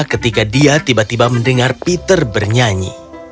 ketika dia tiba tiba mendengar peter bernyanyi